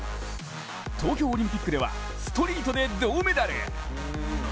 東京オリンピックではストリートで銅メダル。